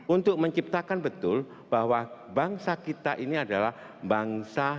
untuk menciptakan betul bahwa bangsa kita ini adalah bangsa